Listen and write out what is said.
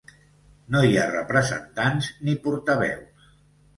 No hi ha representants ni portaveus.